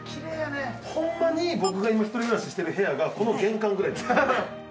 ほんまに僕が今一人暮らししてる部屋がこの玄関ぐらい。